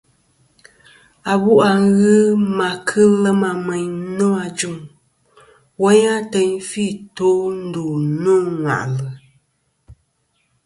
Abu' a ghɨ ma kɨ lema meyn nô ajuŋ, woyn a ateyn fi tò' ndu nô ŋwà'lɨ.